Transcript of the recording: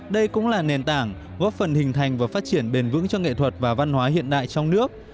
đây cũng là nền tảng góp phần hình thành và phát triển bền vững cho nghệ thuật và văn hóa hiện đại trong nước